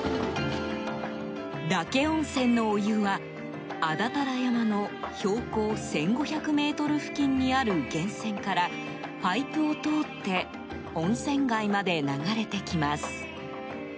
岳温泉のお湯は、安達太良山の標高１５００ｍ付近にある源泉からパイプを通って温泉街まで流れてきます。